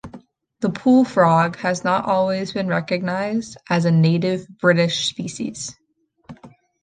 The pool frog has not always been recognised as a native British species.